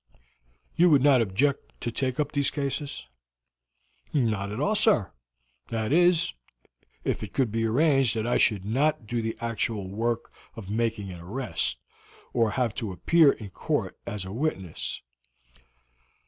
You would not object to take up such cases?" "Not at all, sir; that is, if it could be arranged that I should not do the actual work of making an arrest, or have to appear in court as a witness."